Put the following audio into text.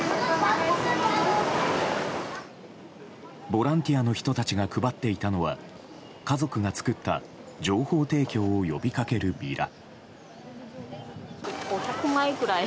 ボランティアの人たちが配っていたのは家族が作った情報提供を呼びかけるビラ。